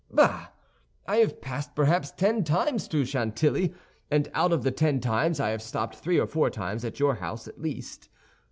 "Bah, I have passed perhaps ten times through Chantilly, and out of the ten times I have stopped three or four times at your house at least.